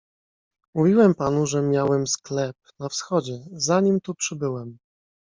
"Mówiłem panu, że miałem sklep na Wschodzie, zanim tu przybyłem."